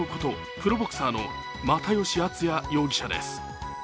プロボクサーの又吉淳哉容疑者です。